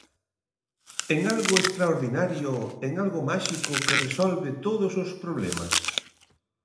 ¿En algo extraordinario, en algo máxico que resolve todos os problemas?